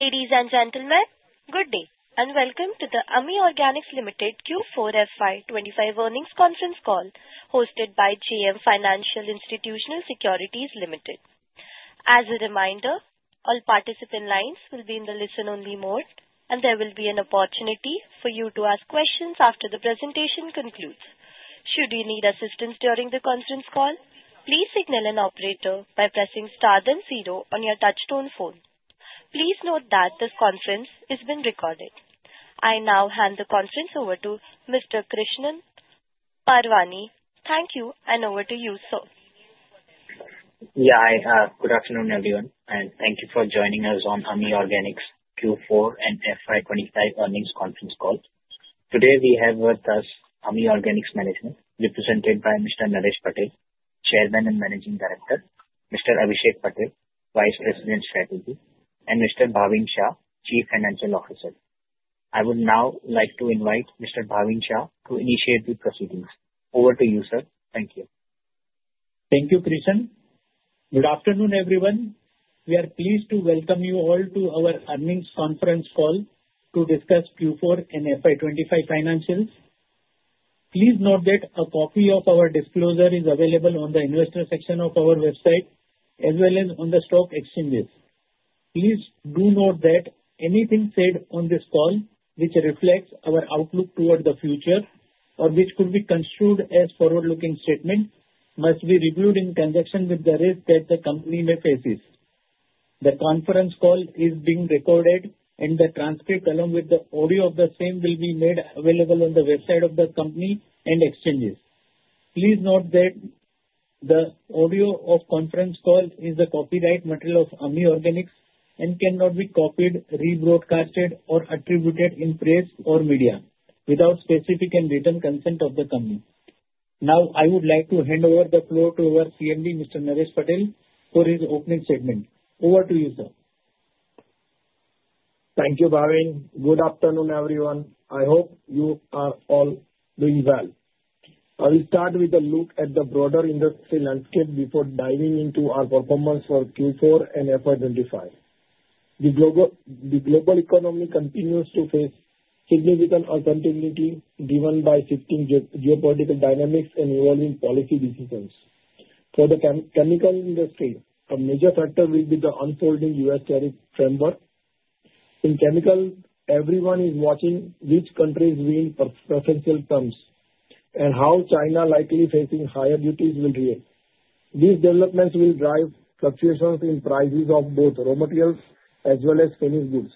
Ladies and gentlemen, good day and welcome to the Ami Organics Limited Q4 FY 2025 earnings conference call hosted by JM Financial Institutional Securities Limited. As a reminder, all participant lines will be in the listen-only mode, and there will be an opportunity for you to ask questions after the presentation concludes. Should you need assistance during the conference call, please signal an operator by pressing star then zero on your touch-tone phone. Please note that this conference is being recorded. I now hand the conference over to Mr. Krishan Parwani. Thank you, and over to you, sir. Yeah, I have. Good afternoon, everyone, and thank you for joining us on Ami Organics Q4 and FY 2025 earnings conference call. Today we have with us Ami Organics management, represented by Mr. Naresh Patel, Chairman and Managing Director, Mr. Abhishek Patel, Vice President Strategy, and Mr. Bhavin Shah, Chief Financial Officer. I would now like to invite Mr. Bhavin Shah to initiate the proceedings. Over to you, sir. Thank you. Thank you, Krishan. Good afternoon, everyone. We are pleased to welcome you all to our earnings conference call to discuss Q4 and FY 2025 financials. Please note that a copy of our disclosure is available on the investor section of our website, as well as on the stock exchanges. Please do note that anything said on this call, which reflects our outlook toward the future or which could be construed as a forward-looking statement, must be reviewed in conjunction with the risk that the company may face. The conference call is being recorded, and the transcript, along with the audio of the same, will be made available on the website of the company and exchanges. Please note that the audio of the conference call is the copyright material of Ami Organics and cannot be copied, rebroadcast, or attributed in press or media without specific and written consent of the company. Now, I would like to hand over the floor to our CMD, Mr. Naresh Patel, for his opening statement. Over to you, sir. Thank you, Bhavin. Good afternoon, everyone. I hope you are all doing well. I will start with a look at the broader industry landscape before diving into our performance for Q4 and FY 2025. The global economy continues to face significant uncertainty driven by shifting geopolitical dynamics and evolving policy decisions. For the chemical industry, a major factor will be the unfolding U.S. tariff framework. In chemicals, everyone is watching which countries win preferential terms and how China, likely facing higher duties, will react. These developments will drive fluctuations in prices of both raw materials as well as finished goods,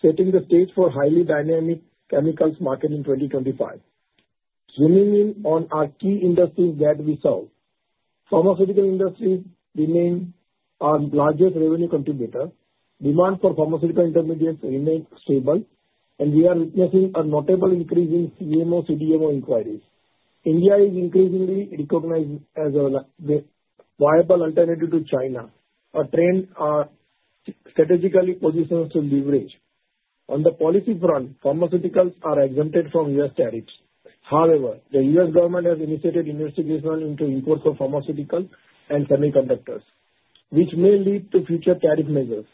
setting the stage for a highly dynamic chemicals market in 2025. Zooming in on our key industries that we saw, pharmaceutical industries remain our largest revenue contributor. Demand for pharmaceutical intermediates remains stable, and we are witnessing a notable increase in CMO/CDMO inquiries. India is increasingly recognized as a viable alternative to China, a trend strategically positioned to leverage. On the policy front, pharmaceuticals are exempted from U.S. tariffs. However, the U.S. government has initiated investigation into imports of pharmaceuticals and semiconductors, which may lead to future tariff measures.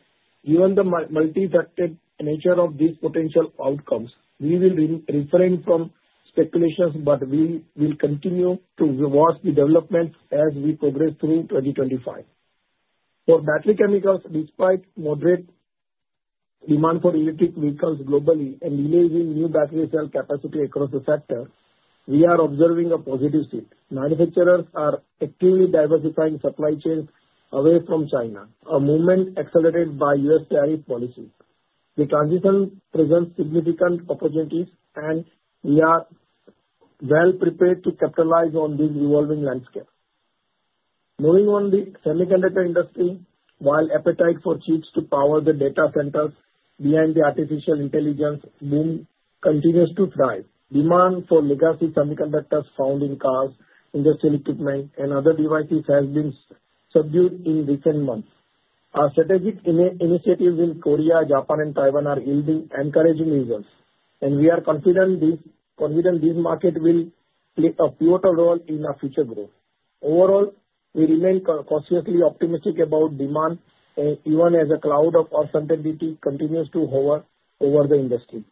Given the multifactorial nature of these potential outcomes, we will refrain from speculations, but we will continue to watch the developments as we progress through 2025. For battery chemicals, despite moderate demand for electric vehicles globally and delays in new battery cell capacity across the sector, we are observing a positive shift. Manufacturers are actively diversifying supply chains away from China, a movement accelerated by U.S. tariff policy. The transition presents significant opportunities, and we are well prepared to capitalize on this evolving landscape. Moving on, the semiconductor industry, while appetite for chips to power the data centers behind the artificial intelligence boom continues to thrive, demand for legacy semiconductors found in cars, industrial equipment, and other devices has been subdued in recent months. Our strategic initiatives in Korea, Japan, and Taiwan are yielding encouraging results, and we are confident this market will play a pivotal role in our future growth. Overall, we remain cautiously optimistic about demand, even as a cloud of uncertainty continues to hover over the industry.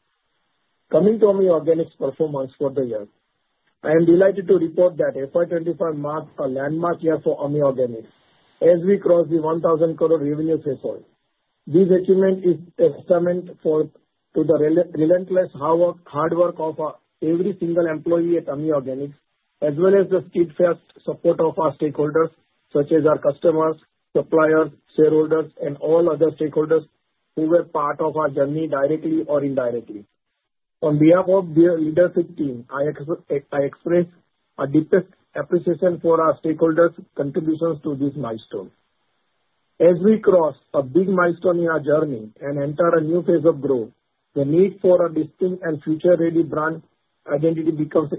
Coming to Ami Organics' performance for the year, I am delighted to report that FY 2025 marked a landmark year for Ami Organics as we crossed the 1,000 crore revenue threshold. This achievement is a testament to the relentless hard work of every single employee at Ami Organics, as well as the steadfast support of our stakeholders, such as our customers, suppliers, shareholders, and all other stakeholders who were part of our journey directly or indirectly. On behalf of the leadership team, I express our deepest appreciation for our stakeholders' contributions to this milestone. As we cross a big milestone in our journey and enter a new phase of growth, the need for a distinct and future-ready brand identity becomes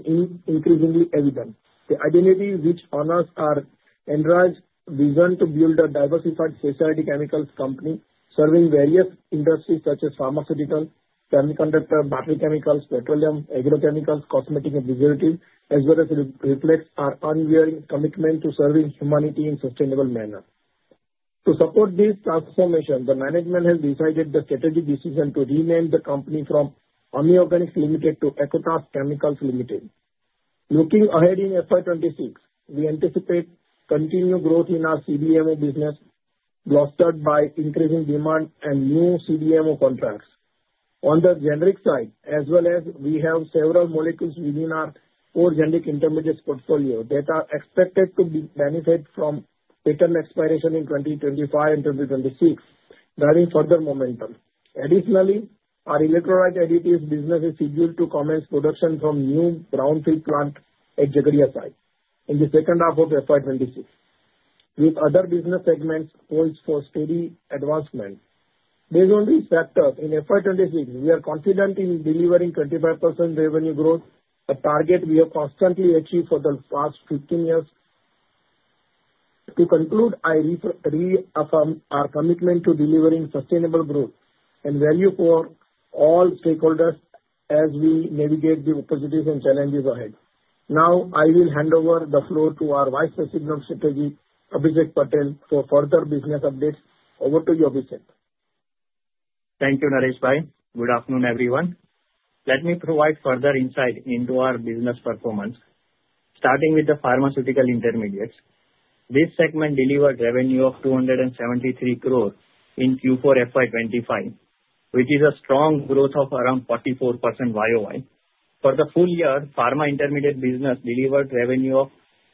increasingly evident. The identity which honors our enlarged vision to build a diversified specialty chemicals company serving various industries such as pharmaceutical, semiconductor, battery chemicals, petroleum, agrochemicals, cosmetics, and preservatives, as well as reflects our unwavering commitment to serving humanity in a sustainable manner. To support this transformation, the management has decided the strategic decision to rename the company from Ami Organics Limited to Acutaas Chemicals Limited. Looking ahead in FY 2026, we anticipate continued growth in our CDMO business, bolstered by increasing demand and new CDMO contracts. On the generic side, as well as we have several molecules within our four generic intermediates portfolio that are expected to benefit from patent expiration in 2025 and 2026, driving further momentum. Additionally, our electrolyte additive business is scheduled to commence production from a new brownfield plant at Jhagadia site in the second half of FY 2026, with other business segments poised for steady advancement. Based on these factors, in FY 2026, we are confident in delivering 25% revenue growth, a target we have constantly achieved for the past 15 years. To conclude, I reaffirm our commitment to delivering sustainable growth and value for all stakeholders as we navigate the opportunities and challenges ahead. Now, I will hand over the floor to our Vice President of Strategy, Abhishek Patel, for further business updates. Over to you, Abhishek. Thank you, Naresh-bhai. Good afternoon, everyone. Let me provide further insight into our business performance. Starting with the pharmaceutical intermediates, this segment delivered revenue of 273 crore in Q4 FY 2025, which is a strong growth of around 44% YoY. For the full year, pharma intermediate business delivered revenue of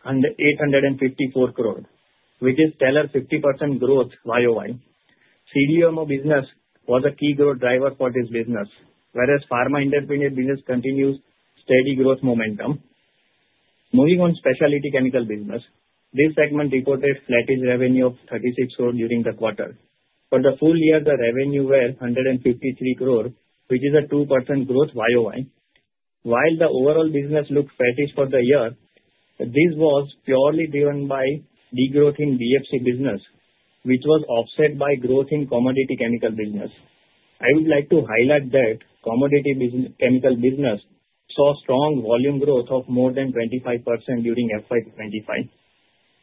854 crore, which is a stellar 50% growth YoY. CDMO business was a key growth driver for this business, whereas pharma intermediate business continues steady growth momentum. Moving on to specialty chemical business, this segment reported a flat revenue of 36 crore during the quarter. For the full year, the revenue was 153 crore, which is a 2% growth YoY. While the overall business looked flat for the year, this was purely driven by degrowth in BFC business, which was offset by growth in commodity chemical business. I would like to highlight that commodity chemical business saw strong volume growth of more than 25% during FY 2025.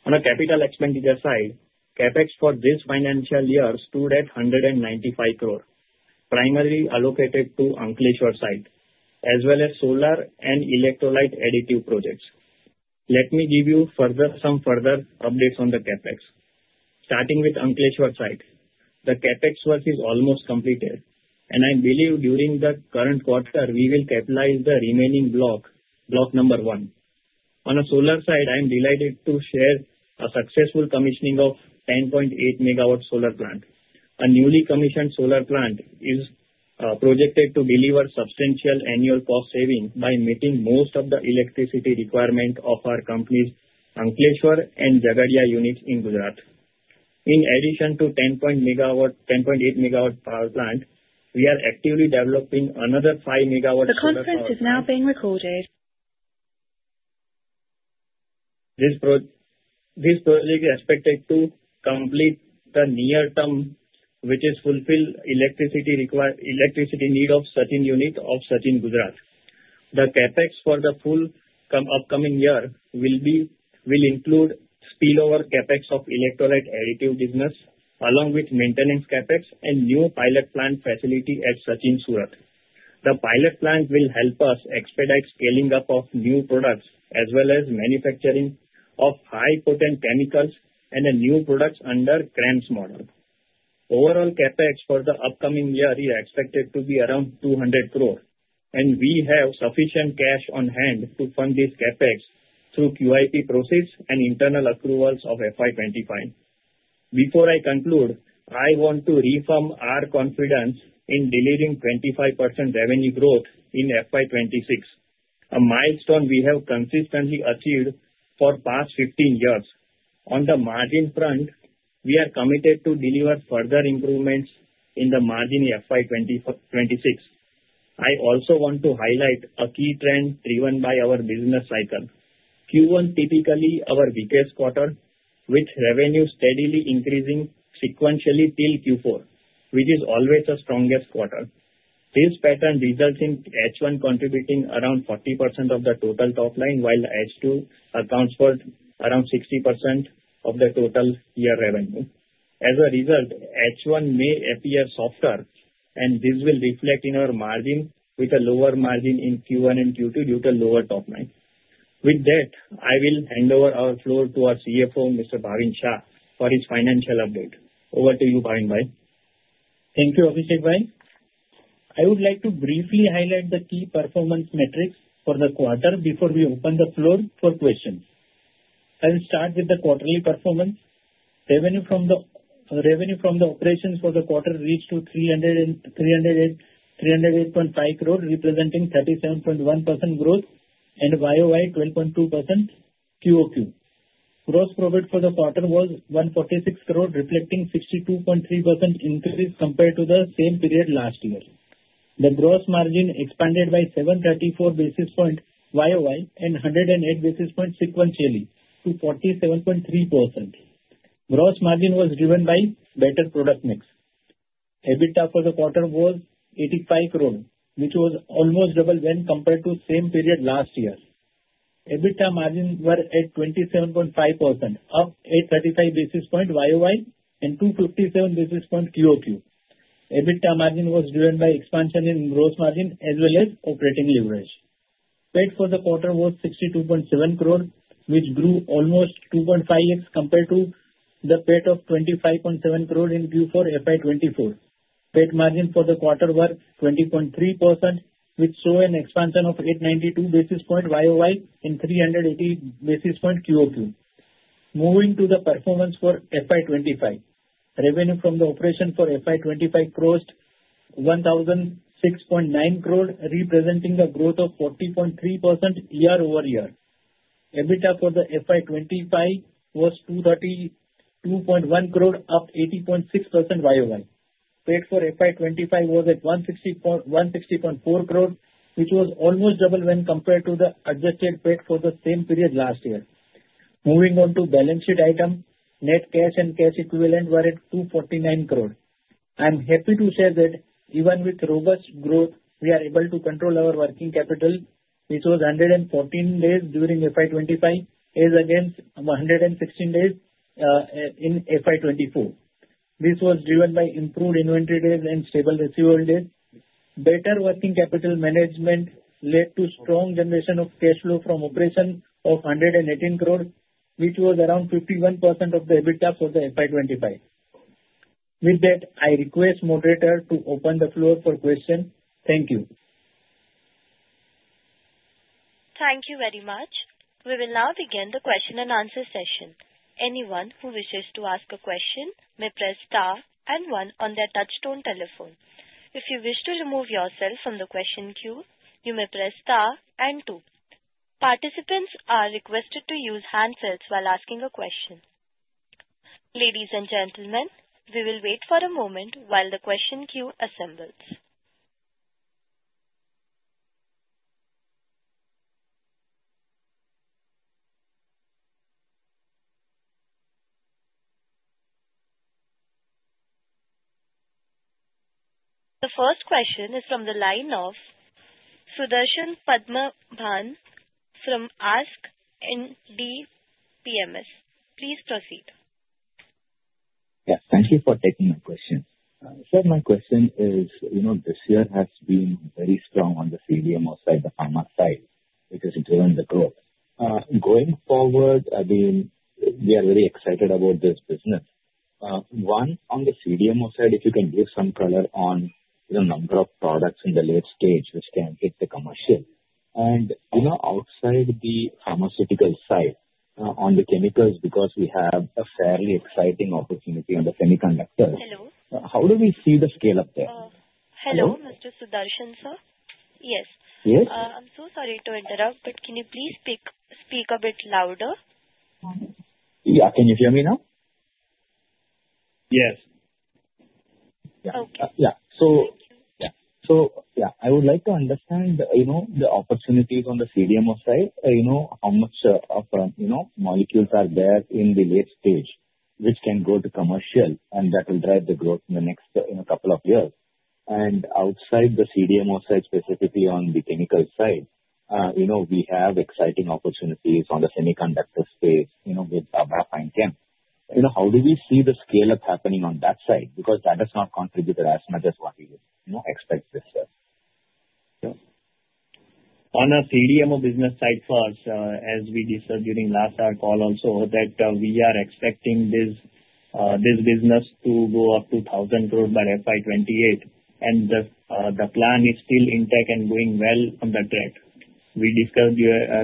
On the capital expenditure side, CapEx for this financial year stood at 195 crore, primarily allocated to Ankleshwar site, as well as solar and electrolyte additive projects. Let me give you some further updates on the CapEx. Starting with Ankleshwar site, the CapEx work is almost completed, and I believe during the current quarter, we will capitalize the remaining block, block number one. On the solar side, I am delighted to share a successful commissioning of a 10.8 MW solar plant. A newly commissioned solar plant is projected to deliver substantial annual cost savings by meeting most of the electricity requirements of our company's Ankleshwar and Jhagadia units in Gujarat. In addition to the 10.8 MW power plant, we are actively developing another 5 MW. The conference is now being recorded. This project is expected to complete in the near-term, which is to fulfill the electricity need of the Sachin unit of Sachin unit, Gujarat. The CapEx for the full upcoming year will include spillover CapEx of electrolyte additive business, along with maintenance CapEx and a new pilot plant facility at Sachin, Surat. The pilot plant will help us expedite scaling up of new products, as well as manufacturing of high-potent chemicals and new products under Cram's model. Overall, CapEx for the upcoming year is expected to be around 200 crore, and we have sufficient cash on hand to fund this CapEx through QIP process and internal accruals of FY 2025. Before I conclude, I want to reaffirm our confidence in delivering 25% revenue growth in FY 2026, a milestone we have consistently achieved for the past 15 years. On the margin front, we are committed to delivering further improvements in the margin in FY 2026. I also want to highlight a key trend driven by our business cycle. Q1 typically is our weakest quarter, with revenues steadily increasing sequentially till Q4, which is always the strongest quarter. This pattern results in H1 contributing around 40% of the total top line, while H2 accounts for around 60% of the total year revenue. As a result, H1 may appear softer, and this will reflect in our margin with a lower margin in Q1 and Q2 due to lower top line. With that, I will hand over our floor to our CFO, Mr. Bhavin Shah, for his financial update. Over to you, Bhavin-bhai. Thank you, Abhishek-bhai. I would like to briefly highlight the key performance metrics for the quarter before we open the floor for questions. I will start with the quarterly performance. Revenue from the operations for the quarter reached INR 308.5 crore, representing 37.1% growth YoY and 12.2% QoQ. Gross profit for the quarter was 146 crore, reflecting a 62.3% increase compared to the same period last year. The gross margin expanded by 734 basis points YoY and 108 basis points sequentially to 47.3%. Gross margin was driven by better product mix. EBITDA for the quarter was 85 crore, which was almost double when compared to the same period last year. EBITDA margins were at 27.5%, up 835 basis points YoY and 257 basis points QoQ. EBITDA margin was driven by expansion in gross margin as well as operating leverage. PAT for the quarter was 62.7 crore, which grew almost 2.5x compared to the PAT of 25.7 crore in Q4 FY 2024. PAT margin for the quarter was 20.3%, which saw an expansion of 892 basis points YoY and 380 basis points QoQ. Moving to the performance for FY 2025, revenue from the operations for FY 2025 closed 1,006.9 crore, representing a growth of 40.3% year-over-year. EBITDA for the FY 2025 was 232.1 crore, up 80.6% YoY. PAT for FY 2025 was at 160.4 crore, which was almost double when compared to the adjusted PAT for the same period last year. Moving on to the balance sheet item, net cash and cash equivalent were at 249 crore. I am happy to share that even with robust growth, we are able to control our working capital, which was 114 days during FY 2025, against 116 days in FY 2024. This was driven by improved inventory days and stable receivable days. Better working capital management led to a strong generation of cash flow from operations of 118 crore, which was around 51% of the EBITDA for FY 2025. With that, I request the moderator to open the floor for questions. Thank you. Thank you very much. We will now begin the question-and-answer session. Anyone who wishes to ask a question may press star and one on their touch-tone telephone. If you wish to remove yourself from the question queue, you may press star and two. Participants are requested to use handsets while asking a question. Ladies and gentlemen, we will wait for a moment while the question queue assembles. The first question is from the line of Sudarshan Padmanabhan from ASK Investment Managers. Please proceed. Yes, thank you for taking my question. Sir, my question is, you know, this year has been very strong on the CDMO side, the pharma side, which has driven the growth. Going forward, I mean, we are very excited about this business. One, on the CDMO side, if you can give some color on the number of products in the late stage which can hit the commercial. And, you know, outside the pharmaceutical side, on the chemicals, because we have a fairly exciting opportunity on the semiconductors. Hello. How do we see the scale up there? Hello, Mr. Sudarshan sir? Yes. Yes. I'm so sorry to interrupt, but can you please speak a bit louder? Yeah, can you hear me now? Yes. Yeah. Okay. Yeah. So, I would like to understand, you know, the opportunities on the CDMO side, you know, how much of, you know, molecules are there in the late stage which can go to commercial, and that will drive the growth in the next couple of years. And outside the CDMO side, specifically on the chemical side, you know, we have exciting opportunities on the semiconductor space, you know, with Baba Fine Chem. You know, how do we see the scale-up happening on that side? Because that has not contributed as much as what we expect this year. On the CDMO business side first, as we discussed during last our call also, that we are expecting this business to go up to 1,000 crore by FY 2028, and the plan is still intact and going well on the track. We discussed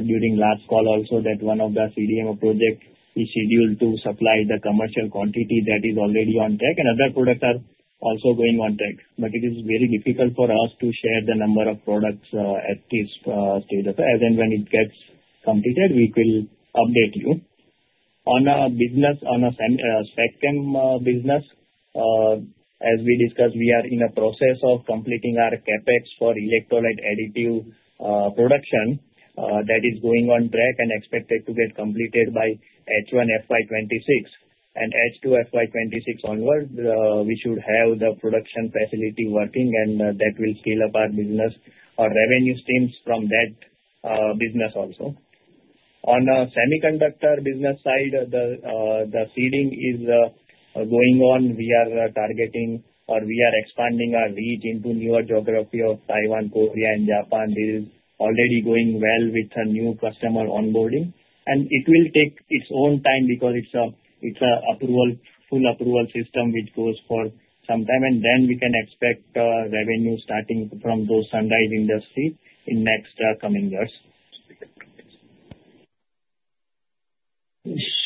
during last call also that one of the CDMO projects is scheduled to supply the commercial quantity that is already on track, and other products are also going on track. But it is very difficult for us to share the number of products at this stage of it. As in, when it gets completed, we will update you. On the business, on the semi chem business, as we discussed, we are in the process of completing our CapEx for electrolyte additive production that is going on track and expected to get completed by H1 FY 2026, and H2 FY 2026 onward, we should have the production facility working, and that will scale up our business or revenue streams from that business also. On the semiconductor business side, the seeding is going on. We are targeting, or we are expanding our reach into newer geographies of Taiwan, Korea, and Japan. This is already going well with new customer onboarding, and it will take its own time because it's an approval, full approval system which goes for some time, and then we can expect revenue starting from those sunrise industries in the next coming years.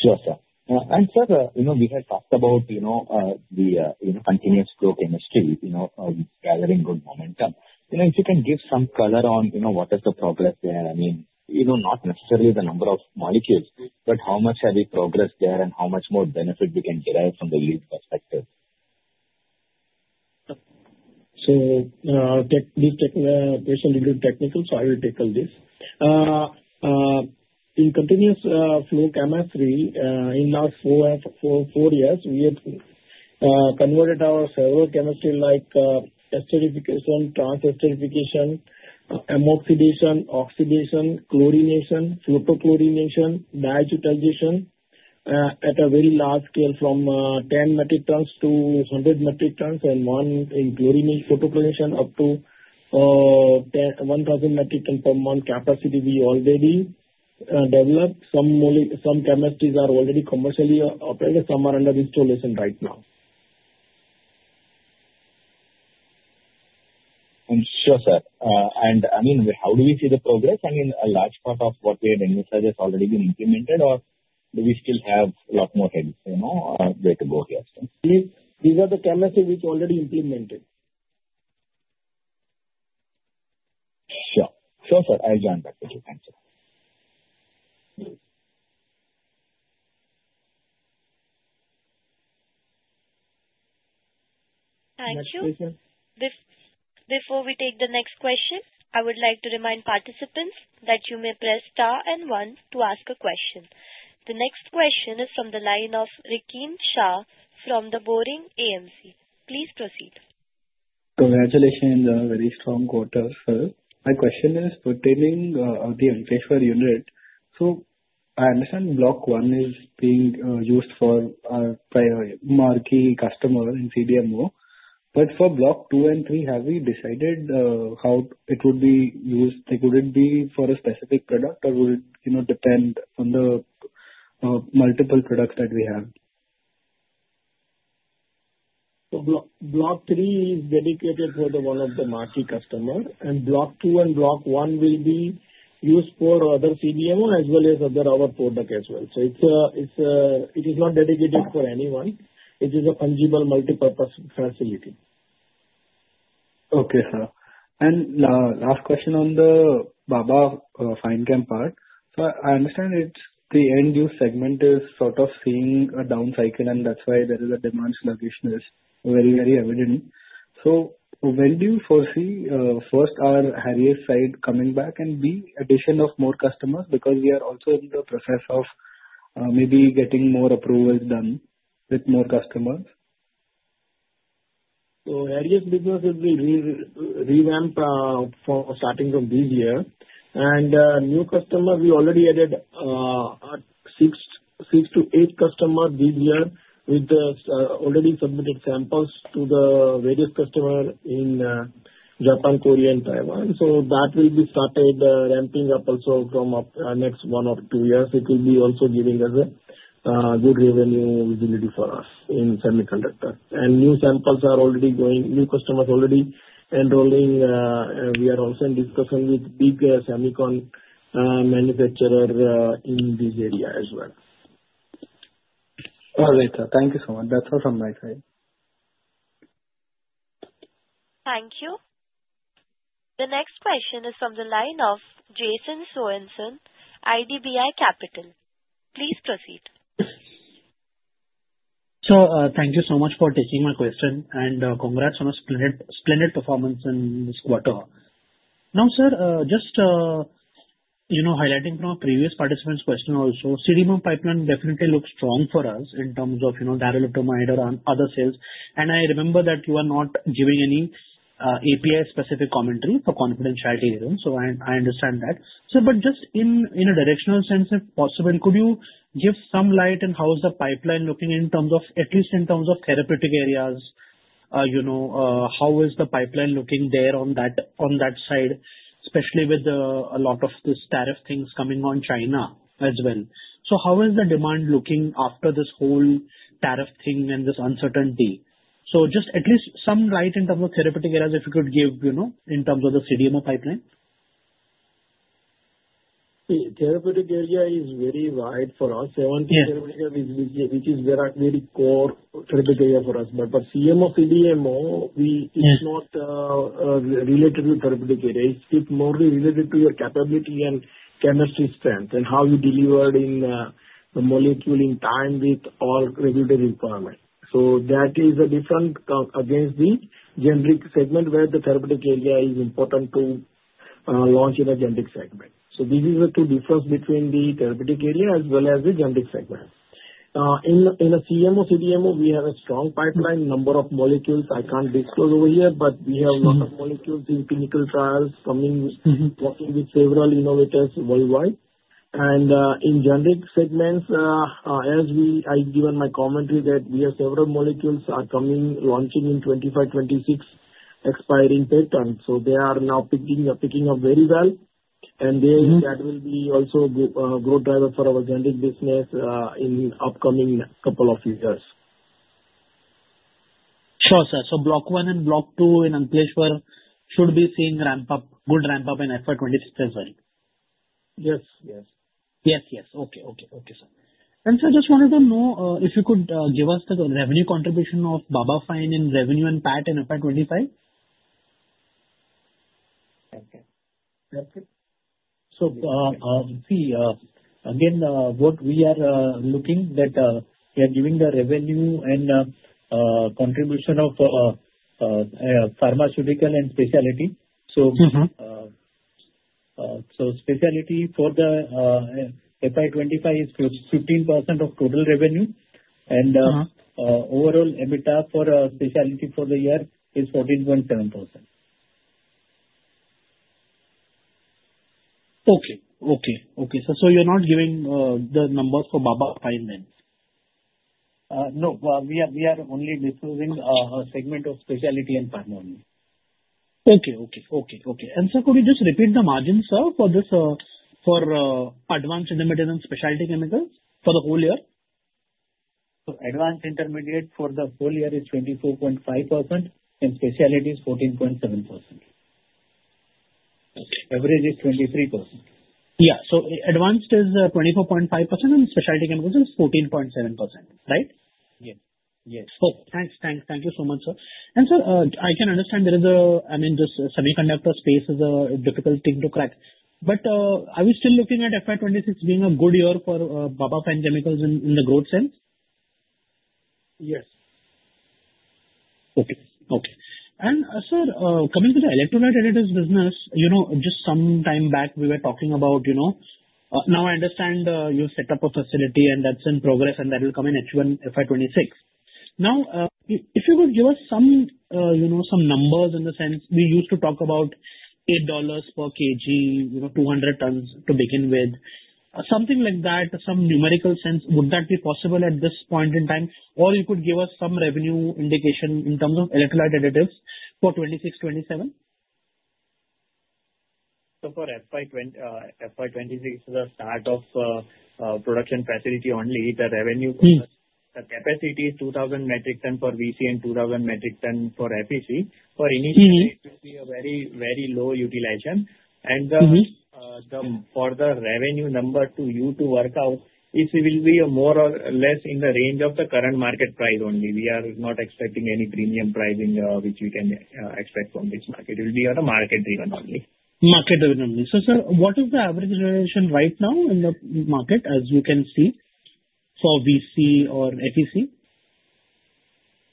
Sure, sir, and sir, you know, we had talked about, you know, the continuous flow chemistry, you know, gathering good momentum. You know, if you can give some color on, you know, what is the progress there, I mean, you know, not necessarily the number of molecules, but how much have we progressed there and how much more benefit we can derive from the lead perspective? This question is a little technical, so I will tackle this. In continuous flow chemistry, in the last four years, we have converted our several chemistries like esterification, trans-esterification, ammoxidation, oxidation, chlorination, photo-chlorination, diazotization at a very large scale from 10 metric tons to 100 metric tons, and one in chlorination photo-chlorination up to 1,000 metric tons per month capacity we already developed. Some chemistries are already commercially operated. Some are under installation right now. Sure, sir. And, I mean, how do we see the progress? I mean, a large part of what we had initiated has already been implemented, or do we still have a lot more ahead, you know, where to go here? These are the chemistries which are already implemented. Sure. Sure, sir. I'll join back with you. Thank you. Thank you. Before we take the next question, I would like to remind participants that you may press star and one to ask a question. The next question is from the line of Rahil Shah from The Boring AMC. Please proceed. Congratulations on a very strong quarter, sir. My question is pertaining to the Ankleshwar unit. So, I understand block one is being used for our primary marquee customer in CDMO. But for block two and three, have we decided how it would be used? Could it be for a specific product, or would it, you know, depend on the multiple products that we have? Block three is dedicated for one of the marquee customers, and block two and block one will be used for other CDMO as well as other our products as well. It is not dedicated for anyone. It is a fungible multi-purpose facility. Okay, sir, and last question on the Baba Fine Chem part, so I understand the end-use segment is sort of seeing a down cycle, and that's why the demand sluggishness is very, very evident, so when do you foresee first hour Heraeus side coming back and the addition of more customers? Because we are also in the process of maybe getting more approvals done with more customers. So, existing business will be revamped starting from this year. And new customers, we already added 6-8 customers this year with the already submitted samples to the various customers in Japan, Korea, and Taiwan. So, that will be started ramping up also from the next one or two years. It will be also giving us a good revenue visibility for us in semiconductors. And new samples are already going, new customers are already enrolling. We are also in discussion with big semiconductor manufacturers in this area as well. All right, sir. Thank you so much. That's all from my side. Thank you. The next question is from the line of Jason Soans, IDBI Capital. Please proceed. Sir, thank you so much for taking my question, and congrats on a splendid performance in this quarter. Now, sir, just, you know, highlighting from our previous participants' question also, CDMO pipeline definitely looks strong for us in terms of, you know, derivative might or other sales. And I remember that you are not giving any API-specific commentary for confidentiality reasons, so I understand that. So, but just in a directional sense, if possible, could you give some light on how is the pipeline looking in terms of, at least in terms of therapeutic areas? You know, how is the pipeline looking there on that side, especially with a lot of these tariff things coming on China as well? So, how is the demand looking after this whole tariff thing and this uncertainty? Just at least some light in terms of therapeutic areas, if you could give, you know, in terms of the CDMO pipeline. Therapeutic area is very wide for us. 70 therapeutic areas, which is very core therapeutic area for us. But for CDMO, it's not related to therapeutic area. It's more related to your capability and chemistry strength and how you deliver the molecule in time with all regulatory requirements. So, that is a difference against the generic segment where the therapeutic area is important to launch in a generic segment. So, these are the two differences between the therapeutic area as well as the generic segment. In the CDMO, we have a strong pipeline, number of molecules I can't disclose over here, but we have a lot of molecules in clinical trials coming, working with several innovators worldwide, and in generic segments, as I given my commentary that we have several molecules coming, launching in 2025, 2026 expiring patents. So, they are now picking up very well, and that will be also a growth driver for our generic business in the upcoming couple of years. Sure, sir. So, block one and block two in Ankleshwar should be seeing good ramp-up in FY 2026 as well. Yes, yes. Yes. Okay, sir. Sir, I just wanted to know if you could give us the revenue contribution of Baba Fine in revenue and PAT in FY 2025? Okay. Okay. So, see, again, what we are looking at. We are giving the revenue and contribution of pharmaceutical and specialty. So, specialty for the FY 2025 is 15% of total revenue, and overall EBITDA for specialty for the year is 14.7%. Okay. So, you're not giving the numbers for Baba Fine then? No, we are only disclosing a segment of specialty and pharma only. Okay. Sir, could you just repeat the margins, sir, for advanced, intermediate, and specialty chemicals for the whole year? Advanced intermediate for the whole year is 24.5%, and specialty is 14.7%. Okay. Average is 23%. Yeah. So, advanced is 24.5%, and specialty chemicals is 14.7%, right? Yes, yes. Oh, thanks, thanks. Thank you so much, sir. And, sir, I can understand there is a, I mean, this semiconductor space is a difficult thing to crack. But are we still looking at FY 2026 being a good year for Baba Fine Chemicals in the growth sense? Yes. Okay, okay. And, sir, coming to the electrolyte additive business, you know, just some time back, we were talking about, you know, now I understand you set up a facility, and that's in progress, and that will come in H1 FY 2026. Now, if you could give us some, you know, some numbers in the sense, we used to talk about $8 per kg, you know, 200 tons to begin with, something like that, some numerical sense, would that be possible at this point in time? Or you could give us some revenue indication in terms of electrolyte additives for 26, 27? For FY 2026, the start of production facility only, the revenue for the capacity is 2,000 metric tons for VC and 2,000 metric tons for FEC. For initial, it will be a very, very low utilization. For the revenue number to you to work out, it will be more or less in the range of the current market price only. We are not expecting any premium pricing which we can expect from this market. It will be on a market-driven only. Market-driven only. So, sir, what is the average realization right now in the market, as you can see, for VC or FEC?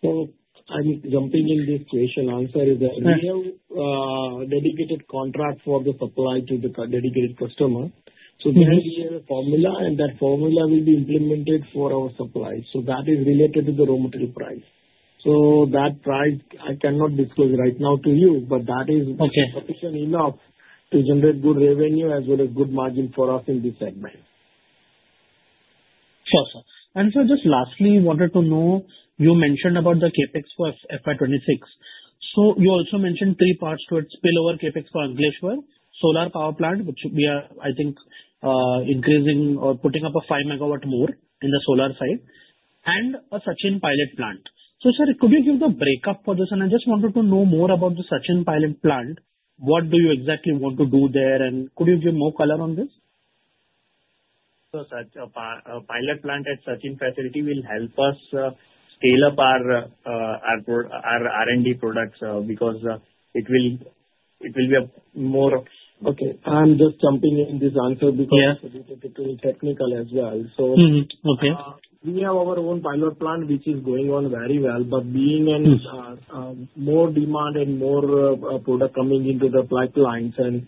So, I'm jumping in this question. Answer is that we have a dedicated contract for the supply to the dedicated customer. So, there is a formula, and that formula will be implemented for our supply. So, that is related to the raw material price. So, that price, I cannot disclose right now to you, but that is sufficient enough to generate good revenue as well as good margin for us in this segment. Sure, sir. And, sir, just lastly, wanted to know, you mentioned about the CapEx for FY 2026. So, you also mentioned three parts to it: spillover CapEx for Ankleshwar, solar power plant, which we are, I think, increasing or putting up a 5 MW more in the solar side, and a Sachin pilot plant. So, sir, could you give the breakup for this? And I just wanted to know more about the Sachin pilot plant. What do you exactly want to do there? And could you give more color on this? So, sir, a pilot plant at Sachin facility will help us scale up our R&D products because it will be a more. Okay. I'm just jumping in this answer because it will be technical as well. So, we have our own pilot plant, which is going on very well. But being in more demand and more product coming into the pipelines, and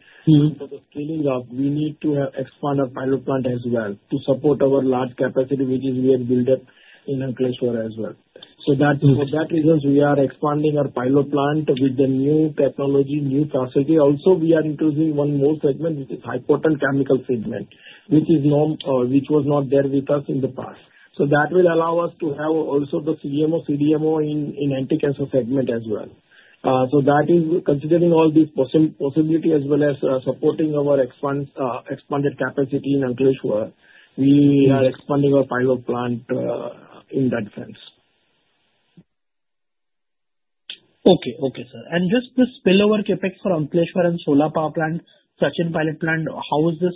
for the scaling up, we need to expand our pilot plant as well to support our large capacity, which is we have built up in Ankleshwar as well. So, for that reason, we are expanding our pilot plant with the new technology, new facility. Also, we are introducing one more segment, which is high-potent chemical segment, which was not there with us in the past. So, that will allow us to have also the CDMO in anti-cancer segment as well. So, that is considering all these possibilities as well as supporting our expanded capacity in Ankleshwar. We are expanding our pilot plant in that sense. Okay, okay, sir. And just the spillover CapEx for Ankleshwar and solar power plant, Sachin pilot plant, how is this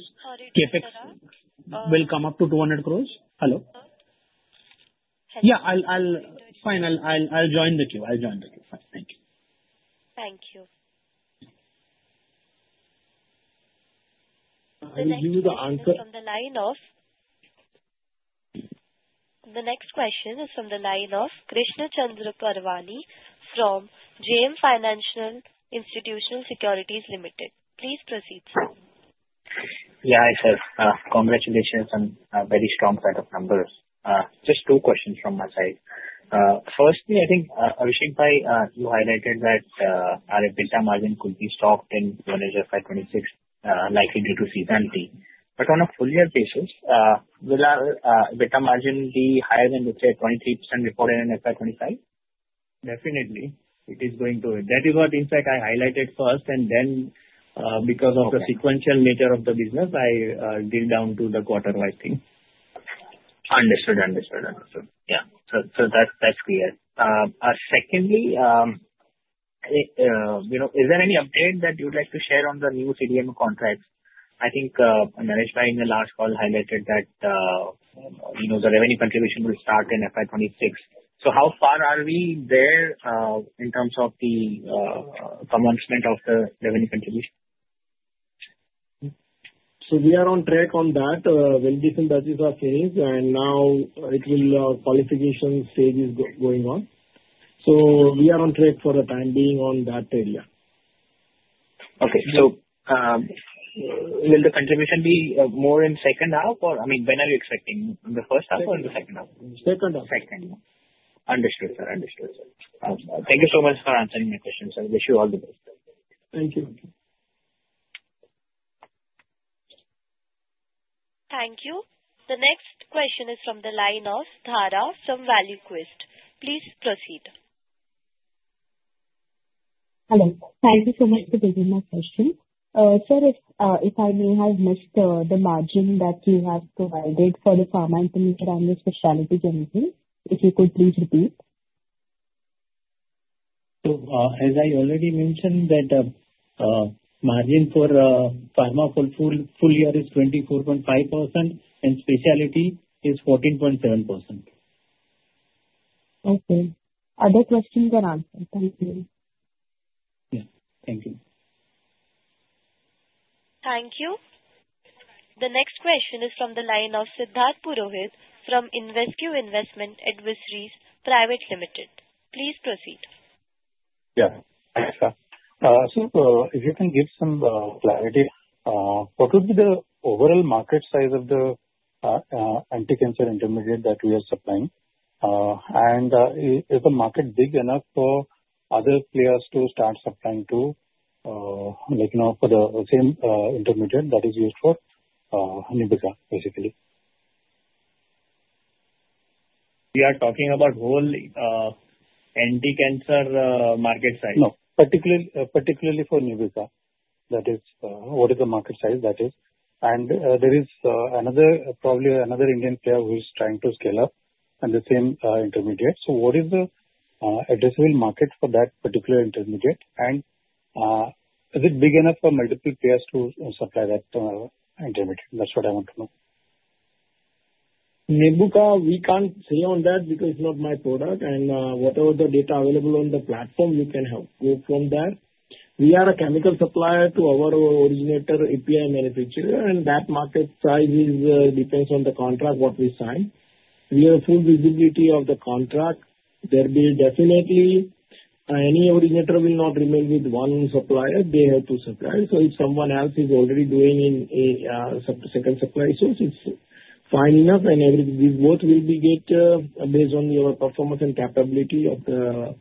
CapEx? Will it come up to 200 crores? Hello? Yeah, I'll join the queue. I'll join the queue. Thank you. Thank you. I'll give you the answer. The next question is from the line of Krishan Parwani from JM Financial Institutional Securities Limited. Please proceed, sir. Yeah, hi sir. Congratulations on a very strong set of numbers. Just two questions from my side. Firstly, I think, Abhishek-bhai, you highlighted that our EBITDA margin could be soft in 2025-2026, likely due to seasonality. But on a full-year basis, will our EBITDA margin be higher than, let's say, 23% reported in FY 2025? Definitely. It is going to. That is what, in fact, I highlighted first, and then because of the sequential nature of the business, I did down to the quarter-wise thing. Understood. Yeah. So, that's clear. Secondly, you know, is there any update that you'd like to share on the new CDMO contracts? I think Naresh-bhai in the last call highlighted that, you know, the revenue contribution will start in FY 2026. So, how far are we there in terms of the commencement of the revenue contribution? We are on track on that. Well, this and that is our phase, and now qualification stage is going on. We are on track for the time being on that area. Okay. So, will the contribution be more in the second half? Or, I mean, when are you expecting? In the first half or in the second half? Second half. Second half. Understood, sir. Understood, sir. Thank you so much for answering my questions, sir. Wish you all the best. Thank you. Thank you. The next question is from the line of Dhara from ValueQuest. Please proceed. Hello. Thank you so much for taking my question. Sir, if I may have missed the margin that you have provided for the pharma and chemical and the specialty chemicals, if you could please repeat. As I already mentioned, that margin for pharma full-year is 24.5%, and specialty is 14.7%. Okay. Other questions are answered. Thank you. Yeah. Thank you. Thank you. The next question is from the line of Siddharth Purohit from InvesQ. Please proceed. Yes. Thanks, sir. So, if you can give some clarity, what would be the overall market size of the anti-cancer intermediate that we are supplying? And is the market big enough for other players to start supplying to, like, you know, for the same intermediate that is used for Nubeqa, basically? We are talking about whole anti-cancer market size? No, particularly for Nubeqa. That is what is the market size that is. And there is another, probably another Indian player who is trying to scale up on the same intermediate. So, what is the addressable market for that particular intermediate? And is it big enough for multiple players to supply that intermediate? That's what I want to know. Nubeqa, we can't say on that because it's not my product. And whatever the data available on the platform, we can go from there. We are a chemical supplier to our originator API manufacturer, and that market size depends on the contract what we sign. We have full visibility of the contract. There will definitely be any originator will not remain with one supplier. They have two suppliers. So, if someone else is already doing a second supply source, it's fine enough. And we both will get based on your performance and capability of the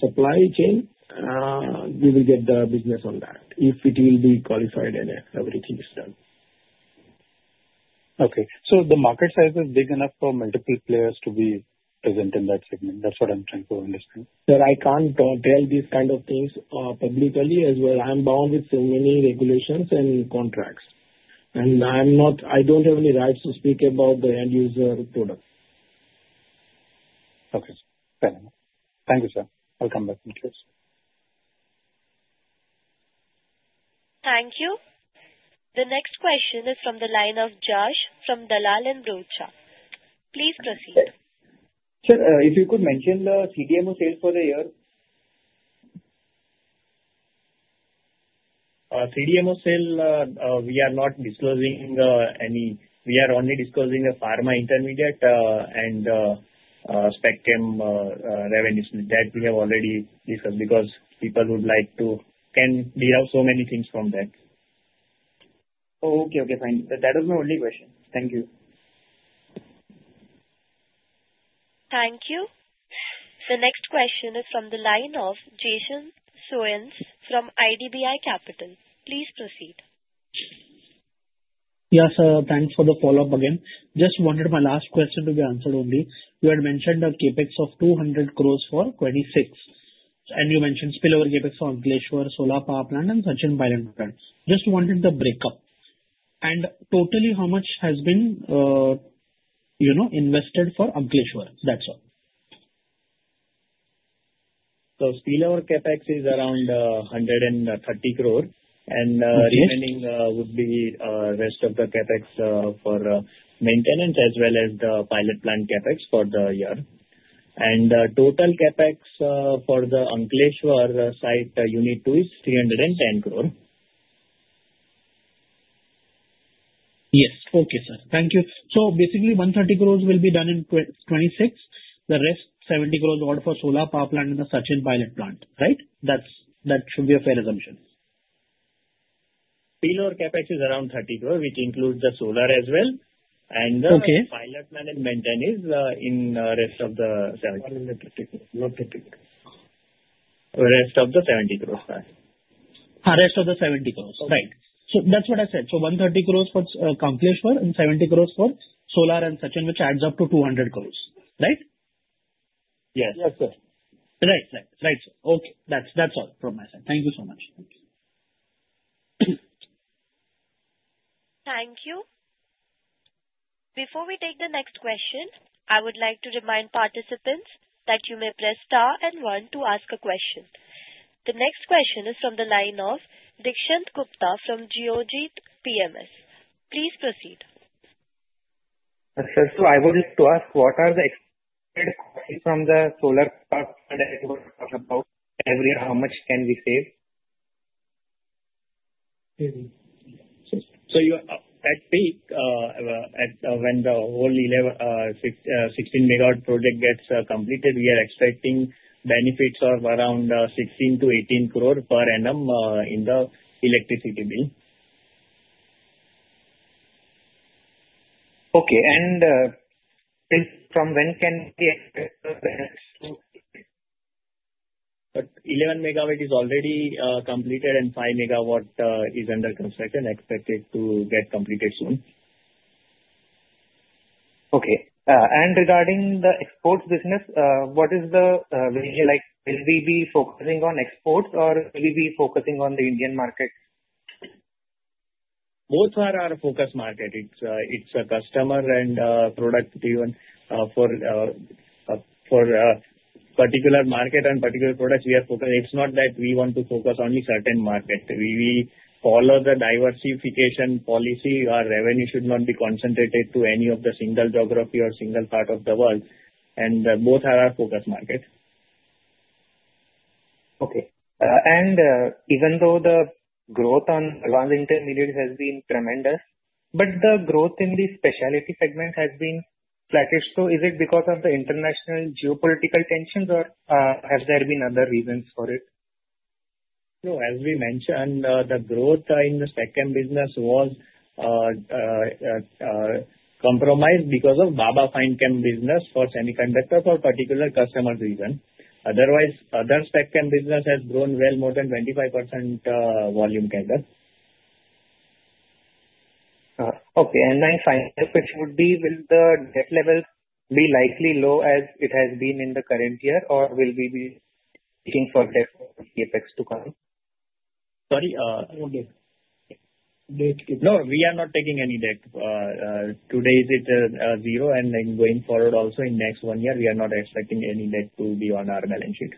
supply chain, we will get the business on that if it will be qualified and everything is done. Okay, so the market size is big enough for multiple players to be present in that segment? That's what I'm trying to understand. Sir, I can't tell these kind of things publicly as well. I'm bound with so many regulations and contracts, and I don't have any rights to speak about the end-user product. Okay. Fair enough. Thank you, sir. I'll come back in case so. Thank you. The next question is from the line of Jash from Dalal & Broacha. Please proceed. Sir, if you could mention the CDMO sales for the year? CDMO sale, we are not disclosing any. We are only disclosing the pharma intermediate and specialty revenues that we have already discussed because people would like to can derive so many things from that. Okay, okay, fine. That was my only question. Thank you. Thank you. The next question is from the line of Jason Soans from IDBI Capital. Please proceed. Yeah, sir, thanks for the follow-up again. Just wanted my last question to be answered only. You had mentioned a CapEx of 200 crore for 2026. And you mentioned spillover CapEx for Ankleshwar, solar power plant, and Sachin pilot plant. Just wanted the breakup. And totally, how much has been, you know, invested for Ankleshwar? That's all. So, spillover CapEx is around 130 crore. And remaining would be the rest of the CapEx for maintenance as well as the pilot plant CapEx for the year. And total CapEx for the Ankleshwar site unit two is 310 crore. Yes. Okay, sir. Thank you. So, basically, 130 crores will be done in 2026. The rest, 70 crores all for solar power plant and the Sachin pilot plant, right? That should be a fair assumption. Spillover CapEx is around 30 crore, which includes the solar as well. And the pilot plant and maintenance is in the rest of the 70 crore. Not INR 30 crore. Rest of the 70 crores, sir. Rest of the 70 crores, right. So, that's what I said. So, 130 crores for Ankleshwar and 70 crores for solar and Sachin, which adds up to 200 crores, right? Yes. Yes, sir. Right, sir. Okay. That's all from my side. Thank you so much. Thank you. Before we take the next question, I would like to remind participants that you may press star and one to ask a question. The next question is from the line of Dikshant Gupta from Geojit PMS. Please proceed. Sir, I would like to ask, what are the expected costs from the solar power plant that you were talking about every year? How much can we save? So, at peak, when the whole 16 MW project gets completed, we are expecting benefits of around 16 crore-18 crore per annum in the electricity bill. Okay. And from when can we expect the benefits to? 11 MW is already completed, and 5 MW is under construction, expected to get completed soon. Okay. And regarding the exports business, what will we be focusing on exports, or will we be focusing on the Indian market? Both are our focus market. It's a customer and product-driven for particular market and particular products we are focused. It's not that we want to focus only certain market. We follow the diversification policy. Our revenue should not be concentrated to any of the single geography or single part of the world, and both are our focus market. Okay. And even though the growth on advanced intermediates has been tremendous, but the growth in the specialty segment has been flat. So, is it because of the international geopolitical tensions, or have there been other reasons for it? As we mentioned, the growth in the spec chem business was compromised because of Baba Fine Chem business for semiconductors for particular customer reasons. Otherwise, other spec chem business has grown well more than 25% volume handle. Okay. And then finally, which would be will the debt level be likely low as it has been in the current year, or will we be looking for debt for CapEx to come? Sorry? No, we are not taking any debt. Today is zero, and then going forward also in next one year, we are not expecting any debt to be on our balance sheet.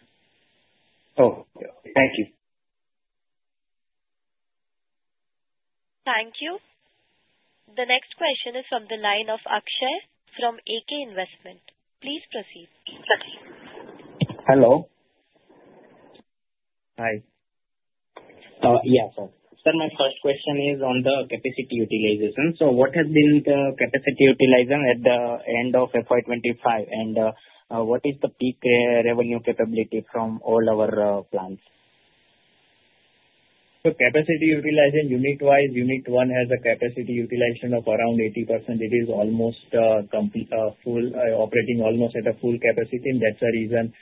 Oh, thank you. Thank you. The next question is from the line of Akshay from A.K. Capital Services. Please proceed. Hello. Hi. Yeah, sir. Sir, my first question is on the capacity utilization. So, what has been the capacity utilization at the end of FY 2025? And what is the peak revenue capability from all our plants? Capacity utilization unit-wise, unit one has a capacity utilization of around 80%. It is almost full, operating almost at a full capacity. That's the reason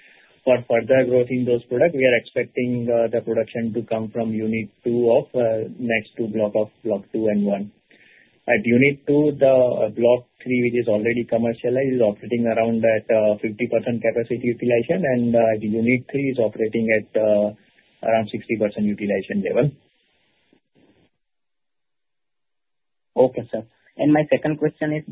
for further growth in those products. We are expecting the production to come from unit two of next two blocks of block two and one. At unit two, the block three, which is already commercialized, is operating around at 50% capacity utilization. Unit three is operating at around 60% utilization level. Okay, sir. And my second question is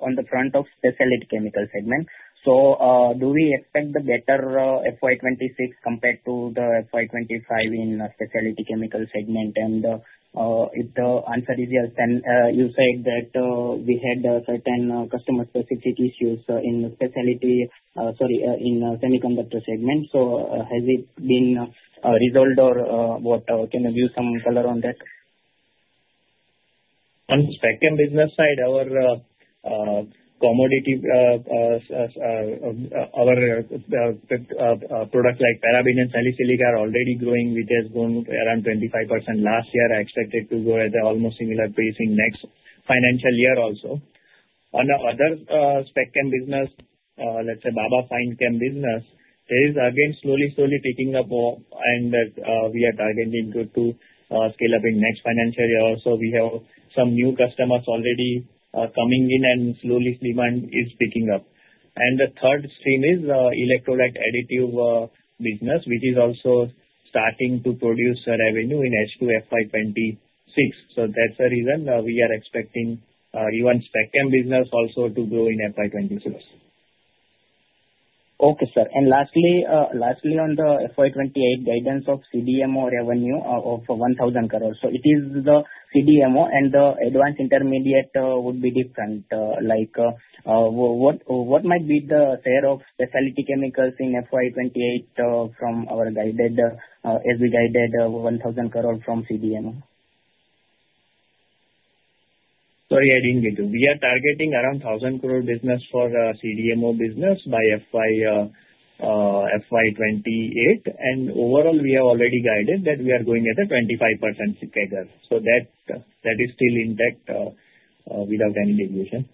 on the front of Specialty Chemical segment. So, do we expect the better FY 2026 compared to the FY 2025 in Specialty Chemical segment? And if the answer is yes, then you said that we had certain customer-specific issues in the specialty, sorry, in semiconductor segment. So, has it been resolved, or can you give some color on that? On the spec chem business side, our commodity, our products like paraben and methyl salicylate are already growing. It has grown around 25% last year. I expected to go at almost similar pace in next financial year also. On the other spec chem business, let's say Baba Fine Chem business, it is again slowly, slowly picking up. And we are targeting to scale up in next financial year also. We have some new customers already coming in, and slowly demand is picking up. And the third stream is the electrolyte additive business, which is also starting to produce revenue in H2 FY 2026. So, that's the reason we are expecting even spec chem business also to grow in FY 2026. Okay, sir. And lastly on the FY 2028 guidance of CDMO revenue of 1,000 crores. So, it is the CDMO, and the advanced intermediate would be different. Like, what might be the share of specialty chemicals in FY 2028 from our guided as we guided 1,000 crores from CDMO? Sorry, I didn't get you. We are targeting around 1,000 crore business for CDMO business by FY 2028. And overall, we have already guided that we are going at a 25% figure. So, that is still intact without any deviation.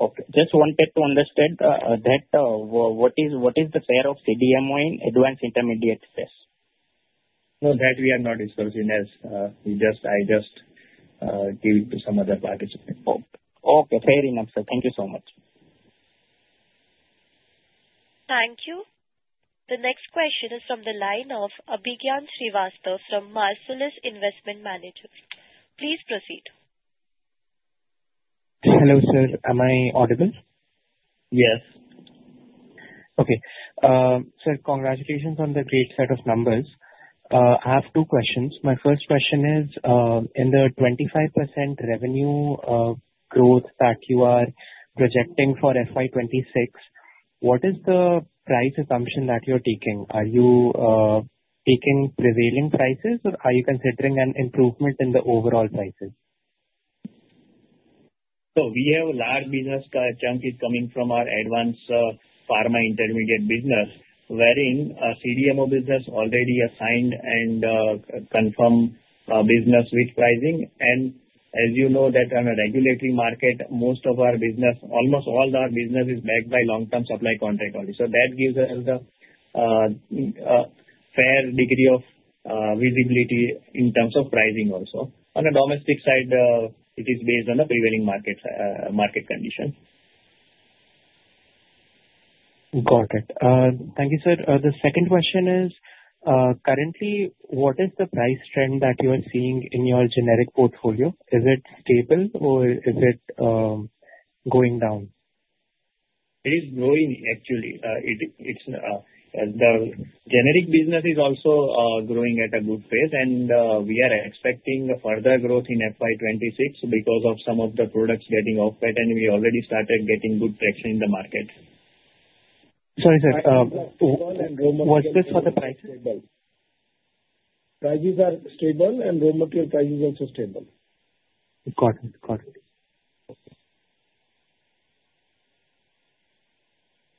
Okay. Just wanted to understand that what is the share of CDMO in advanced intermediate sales? No, that we are not disclosing as I just gave it to some other participant. Okay. Fair enough, sir. Thank you so much. Thank you. The next question is from the line of Abhigyan Srivastav from Marcellus Investment Managers. Please proceed. Hello, sir. Am I audible? Yes. Okay. Sir, congratulations on the great set of numbers. I have two questions. My first question is, in the 25% revenue growth that you are projecting for FY 2026, what is the price assumption that you're taking? Are you taking prevailing prices, or are you considering an improvement in the overall prices? So, we have a large business chunk coming from our advanced pharma intermediate business, wherein CDMO business already assigned and confirmed business with pricing. And as you know, that on a regulatory market, most of our business, almost all our business, is backed by long-term supply contract only. So, that gives us a fair degree of visibility in terms of pricing also. On the domestic side, it is based on the prevailing market conditions. Got it. Thank you, sir. The second question is, currently, what is the price trend that you are seeing in your generic portfolio? Is it stable, or is it going down? It is growing, actually. The generic business is also growing at a good pace, and we are expecting further growth in FY 2026 because of some of the products getting off-patent, and we already started getting good traction in the market. Sorry, sir. Was this for the prices? Prices are stable, and raw material prices are also stable. Got it. Got it.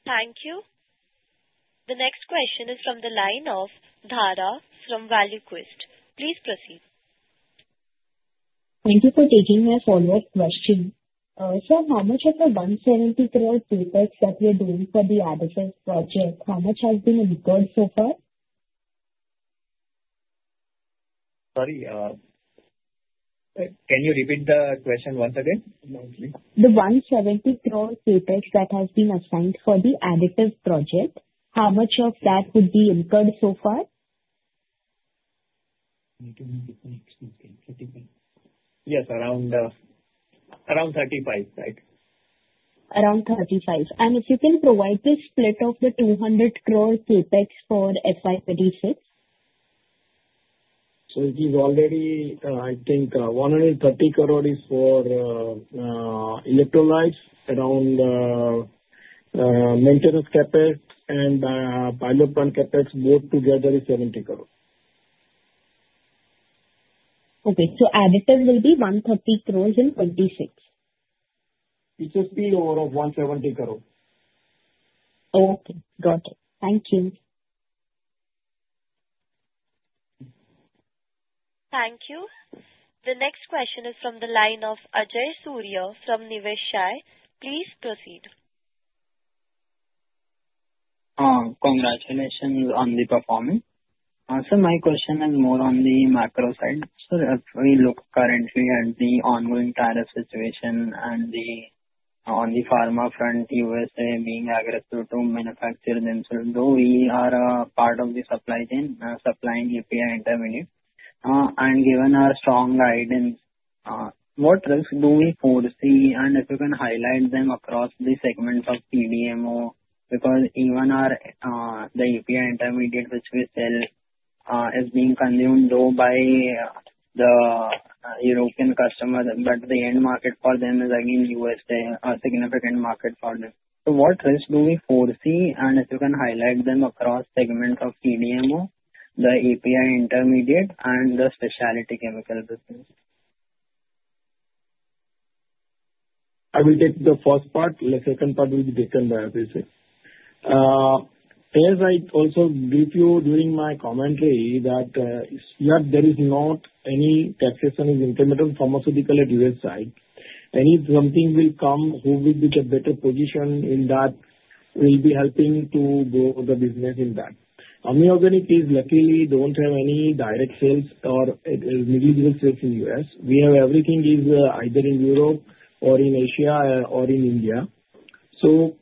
Thank you. The next question is from the line of Dhara from ValueQuest. Please proceed. Thank you for taking my follow-up question. Sir, how much of the 170 crore CapEx that we are doing for the additives project, how much has been incurred so far? Sorry. Can you repeat the question once again? The 170 crore CapEx that have been assigned for the additives project, how much of that would be incurred so far? Yes, around 35 crore, right? Around 35 crore. And if you can provide the split of the 200 crore CapEx for FY 2026? So, it is already, I think, 130 crore is for electrolytes, around maintenance CapEx, and pilot plant CapEx, both together is INR 70 crore. Okay. So, additives will be 130 crores in 26? It should be over 170 crore. Okay. Got it. Thank you. Thank you. The next question is from the line of Ajay Surya from Niveshaay. Please proceed. Congratulations on the performance. Sir, my question is more on the macro side. Sir, as we look currently at the ongoing tariff situation and on the pharma front, USA being aggressive to manufacture them, so though we are a part of the supply chain, supplying API intermediate, and given our strong guidance, what risks do we foresee? If you can highlight them across the segments of CDMO, because even the API intermediate, which we sell, is being consumed, though, by the European customers, but the end market for them is, again, USA, a significant market for them, what risks do we foresee? If you can highlight them across segments of CDMO, the API intermediate, and the specialty chemical business? I will take the first part. The second part will be taken by Abhishek. As I also gave you during my commentary that there is not any taxation is incremental pharmaceutical at U.S. side. Any something will come, who will be in a better position in that will be helping to grow the business in that. AMI Organics is luckily don't have any direct sales or negligible sales in U.S. We have everything is either in Europe or in Asia or in India. So,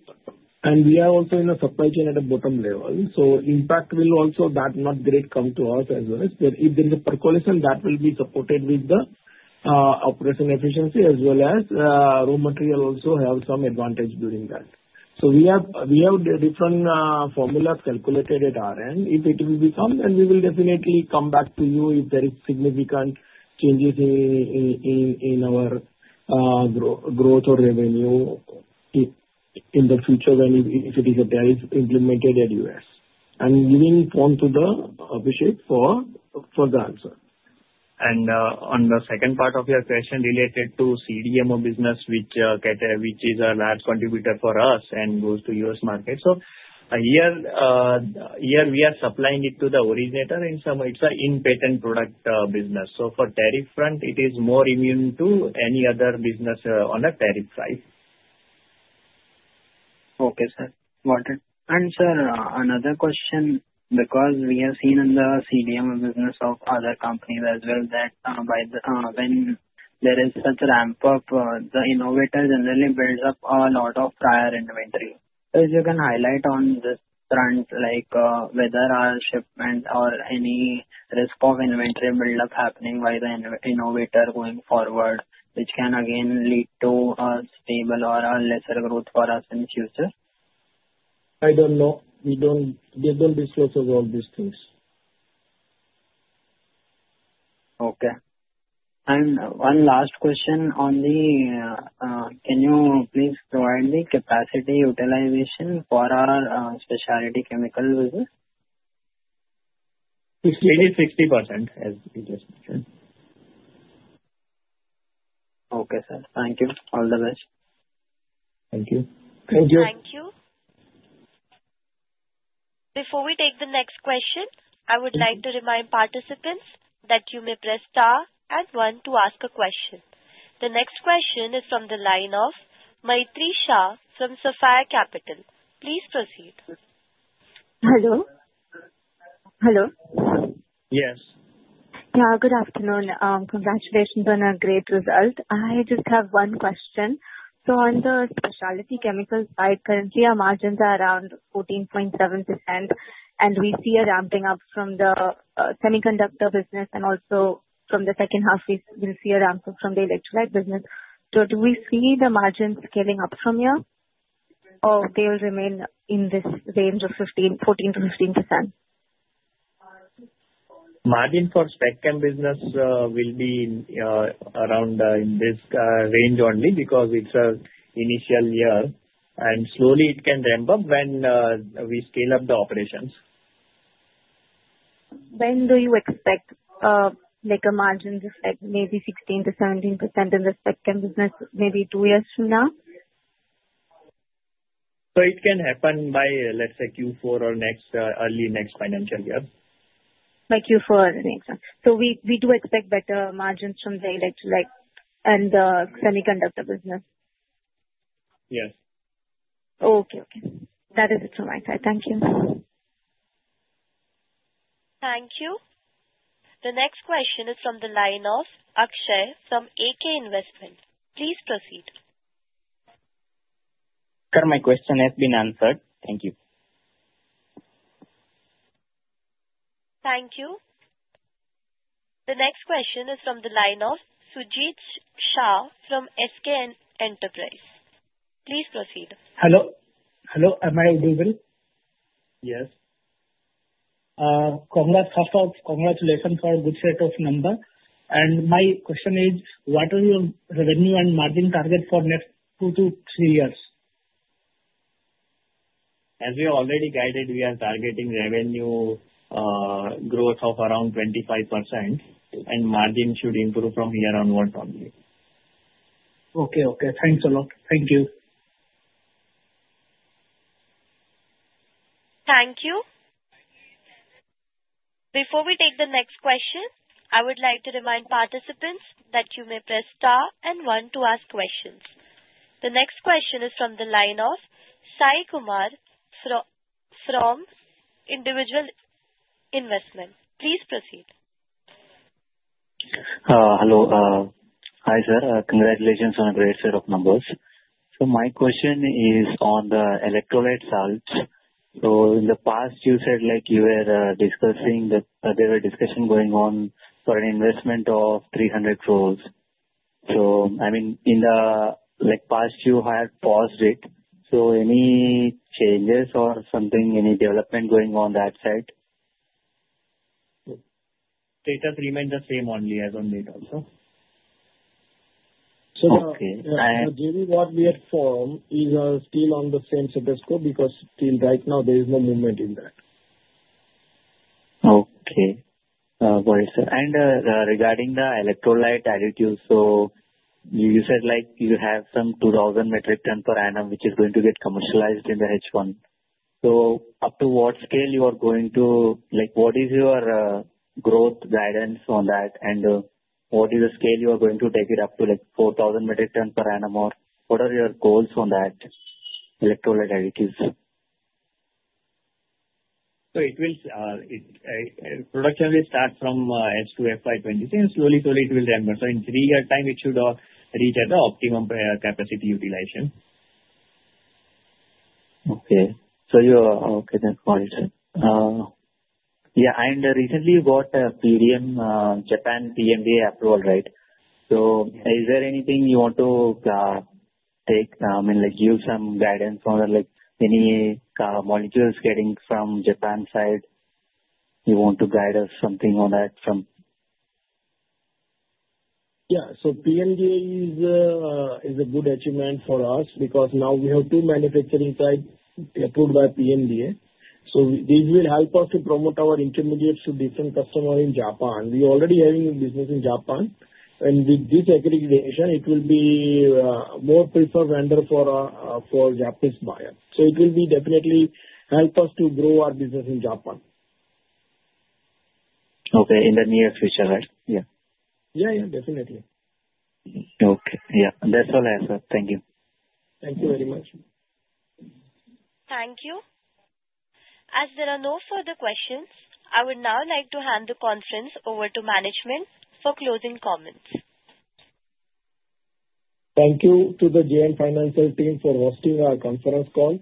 and we are also in a supply chain at a bottom level. So, impact will also not great come to us as well. But if there is a percolation, that will be supported with the operation efficiency as well as raw material also have some advantage during that. So, we have different formulas calculated at our end. If it will be some, then we will definitely come back to you if there is significant changes in our growth or revenue in the future when, if it is implemented at U.S., and giving form to the official for the answer. On the second part of your question related to CDMO business, which is a large contributor for us and goes to U.S. market. Here we are supplying it to the originator in some way. It's an in-patent product business. For tariff front, it is more immune to any other business on a tariff side. Okay, sir. Got it. And sir, another question, because we have seen in the CDMO business of other companies as well that when there is such a ramp-up, the innovator generally builds up a lot of prior inventory. So, if you can highlight on this front, whether our shipment or any risk of inventory build-up happening by the innovator going forward, which can again lead to a stable or a lesser growth for us in the future? I don't know. We don't disclose all these things. Okay, and one last question only. Can you please provide the capacity utilization for our specialty chemical business? It's maybe 60%, as you just mentioned. Okay, sir. Thank you. All the best. Thank you. Thank you. Before we take the next question, I would like to remind participants that you may press star and one to ask a question. The next question is from the line of Maitri Shah from Sapphire Capital. Please proceed. Hello. Hello? Yes. Yeah, good afternoon. Congratulations on a great result. I just have one question. So, on the specialty chemical side, currently our margins are around 14.7%, and we see a ramping up from the semiconductor business, and also from the second half, we'll see a ramp-up from the electrolyte business. So, do we see the margins scaling up from here? Or they will remain in this range of 14%-15%? Margin for spec chem business will be around in this range only because it's an initial year, and slowly it can ramp up when we scale up the operations. When do you expect a margin to spike maybe 16%-17% in the spec chem business maybe two years from now? So, it can happen by, let's say, Q4 or early next financial year. By Q4 or next year, so we do expect better margins from the electrolyte and the semiconductor business? Yes. Okay. Okay. That is it from my side. Thank you. Thank you. The next question is from the line of Akshay from A.K. Capital Services. Please proceed. Sir, my question has been answered. Thank you. Thank you. The next question is from the line of Sujeet Shah from SK Enterprise. Please proceed. Hello. Hello. Am I audible? Yes. First of all, congratulations for a good set of numbers, and my question is, what are your revenue and margin target for next two to three years? As we are already guided, we are targeting revenue growth of around 25%, and margin should improve from here onward only. Okay. Okay. Thanks a lot. Thank you. Thank you. Before we take the next question, I would like to remind participants that you may press star and one to ask questions. The next question is from the line of Sai Kumar, an individual investor. Please proceed. Hello. Hi, sir. Congratulations on a great set of numbers. So, my question is on the electrolyte salts. So, in the past, you said you were discussing that there were discussions going on for an investment of 300 crore. So, I mean, in the past, you had paused it. So, any changes or something, any development going on that side? Status remains the same only as on date also. So, the deal with what we had formed is still on the same status quo because still right now there is no movement in that. Okay. Got it, sir. And regarding the electrolyte additives, so you said you have some 2,000 metric tons per annum, which is going to get commercialized in the H1. So, up to what scale you are going to, what is your growth guidance on that? And what is the scale you are going to take it up to 4,000 metric tons per annum? Or what are your goals on that electrolyte additives? So, production will start from H2 FY 2026, and slowly, slowly it will ramp up. So, in three-year time, it should reach at the optimum capacity utilization. Okay. So, you're okay. That's fine, sir. Yeah. And recently, you got PMDA approval, right? So, is there anything you want to take I mean, give some guidance on any molecules getting from Japan side? You want to guide us something on that from? Yeah. So, PMDA is a good achievement for us because now we have two manufacturing sites approved by PMDA. So, this will help us to promote our intermediates to different customers in Japan. We are already having a business in Japan. And with this accreditation, it will be a more preferred vendor for Japanese buyers. So, it will definitely help us to grow our business in Japan. Okay. In the near future, right? Yeah. Yeah, yeah. Definitely. Okay. Yeah. That's all I have, sir. Thank you. Thank you very much. Thank you. As there are no further questions, I would now like to hand the conference over to management for closing comments. Thank you to the JM Financial team for hosting our conference call.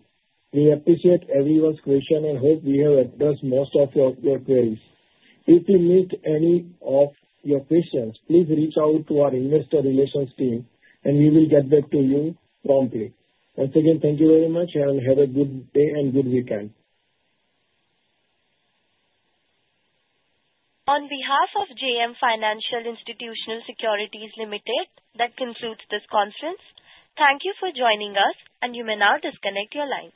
We appreciate everyone's question and hope we have addressed most of your queries. If we missed any of your questions, please reach out to our investor relations team, and we will get back to you promptly. Once again, thank you very much, and have a good day and good weekend. On behalf of JM Financial Institutional Securities Limited, that concludes this conference. Thank you for joining us, and you may now disconnect your lines.